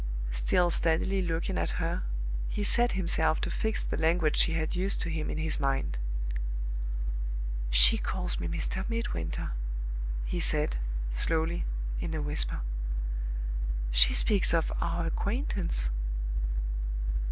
Still steadily looking at her, he set himself to fix the language she had used to him in his mind. "She calls me 'Mr. Midwinter,'" he said, slowly, in a whisper. "She speaks of 'our acquaintance.